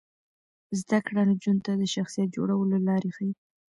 زده کړه نجونو ته د شخصیت جوړولو لارې ښيي.